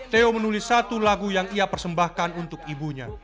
theo menulis satu lagu yang ia persembahkan untuk ibunya